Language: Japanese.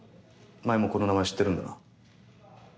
舞もこの名前を知ってるんだな？